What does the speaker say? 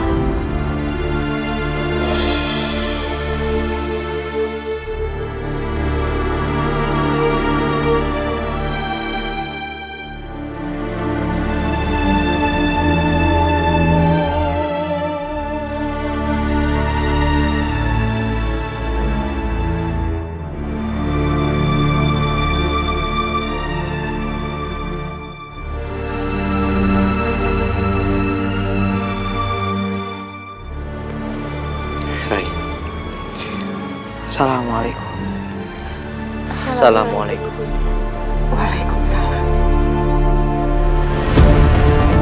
untuk podemos kasing